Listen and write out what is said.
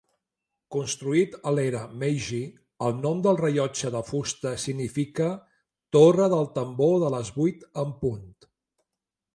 Construït a l'era Meiji, el nom del rellotge de fusta significa "torre del tambor de les vuit en punt".